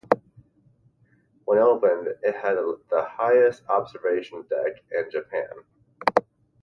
When opened, it had the highest observation deck in Japan.